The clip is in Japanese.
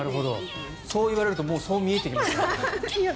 そう言われるとそう見えてきます。